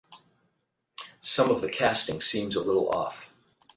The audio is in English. Some of the casting seems a little off.